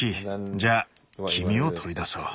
じゃあ黄身を取り出そう。